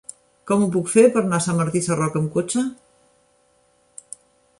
Com ho puc fer per anar a Sant Martí Sarroca amb cotxe?